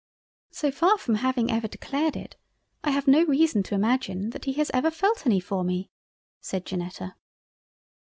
"So far from having ever declared it, I have no reason to imagine that he has ever felt any for me." said Janetta.